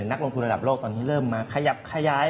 นักลงทุนระดับโลกตอนนี้เริ่มมาขยับขยาย